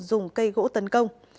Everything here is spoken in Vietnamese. dùng cây gỗ tấn công